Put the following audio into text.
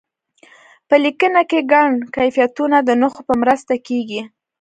په لیکنه کې ګڼ کیفیتونه د نښو په مرسته کیږي.